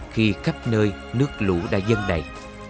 khi khắp nơi nước lũ đa dân đầy